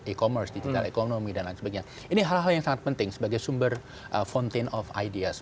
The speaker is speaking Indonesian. e commerce digital economy dan lain sebagainya ini hal hal yang sangat penting sebagai sumber fontain of ideas